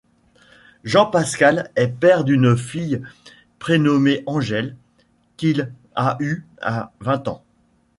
Jean Pascal est père d'une fille prénommée Angel, qu'il a eu à vingt ans.